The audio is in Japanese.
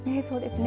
そうですね。